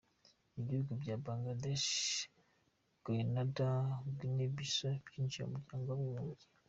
Ibihugu bya Bangladesh, Grenada na Guinea-Bissau byinjiye mu muryango w’abibumbye.